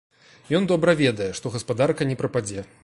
Ён добра ведае, што гаспадарка не прападзе.